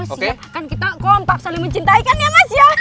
oh siap kan kita kompak saling mencintaikan ya mas ya